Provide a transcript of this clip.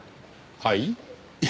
はい？